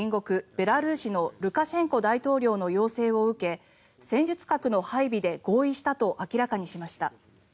ベラルーシのルカシェンコ大統領の要請を受け戦術核の配備で合意したと明らかにしました。